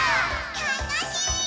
たのしい。